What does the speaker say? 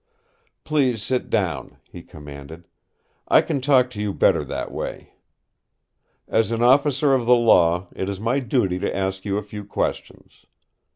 "Please sit down," he commanded. "I can talk to you better that way. As an officer of the law it is my duty to ask you a few questions.